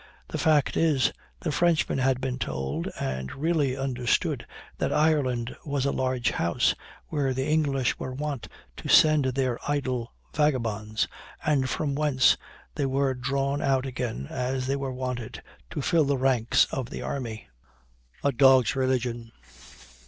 The fact is, the Frenchman had been told, and really understood, that Ireland was a large house, where the English were wont to send their idle vagabonds, and from whence they were drawn out again, as they were wanted, to fill the ranks of the army." A DOG'S RELIGION.